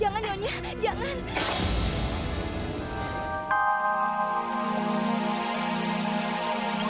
tanggung itu saya akan jonggal mata kamu